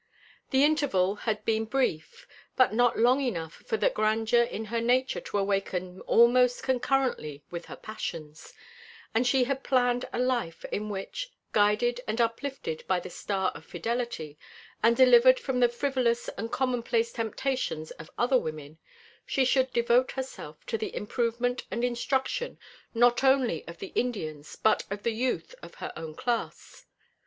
The interval had been brief, but not long enough for the grandeur in her nature to awaken almost concurrently with her passions, and she had planned a life, in which, guided and uplifted by the star of fidelity, and delivered from the frivolous and commonplace temptations of other women, she should devote herself to the improvement and instruction not only of the Indians but of the youth of her own class.